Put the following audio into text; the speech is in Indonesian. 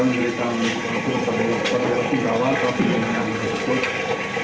kami juga menjelaskan perawatan intensif di rumah sakit